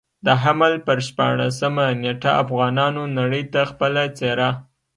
د حمل پر شپاړلسمه نېټه افغانانو نړۍ ته خپله څېره.